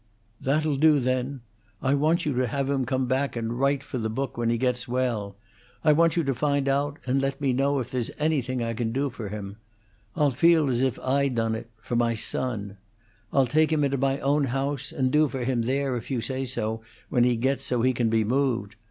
"That'll do, then! I want you to have him come back and write for the book when he gets well. I want you to find out and let me know if there's anything I can do for him. I'll feel as if I done it for my son. I'll take him into my own house, and do for him there, if you say so, when he gets so he can be moved.